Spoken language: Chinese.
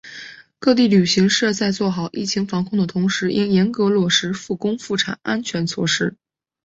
各地旅行社在做好疫情防控的同时应严格落实复工复产安全措施